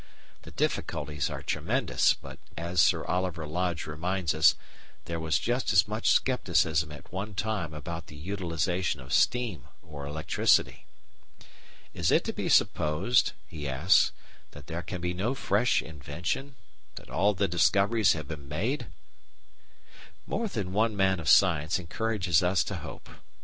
The difficulties are tremendous, but, as Sir Oliver Lodge reminds us, there was just as much scepticism at one time about the utilisation of steam or electricity. "Is it to be supposed," he asks, "that there can be no fresh invention, that all the discoveries have been made?" More than one man of science encourages us to hope.